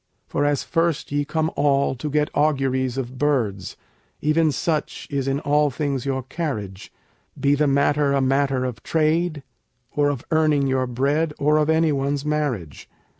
For, as first ye come all to get auguries of birds, even such is in all things your carriage, Be the matter a matter of trade, or of earning your bread, or of any one's marriage.